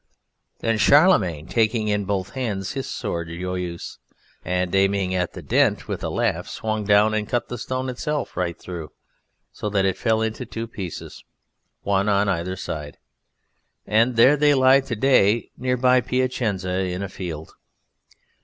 Then Charlemagne, taking in both hands his sword Joyeuse, and aiming at the dent, with a laugh swung down and cut the stone itself right through, so that it fell into two pieces, one on either side, and there they lie today near by Piacenza in a field.